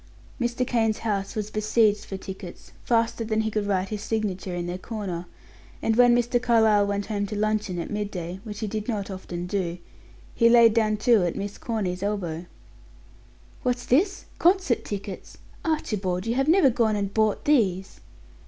Mr. Kane's house was besieged for tickets, faster than he could write his signature in their corner; and when Mr. Carlyle went home to luncheon at midday, which he did not often do, he laid down two at Miss Corny's elbow. "What's this? Concert tickets! Archibald, you have never gone and bought these!"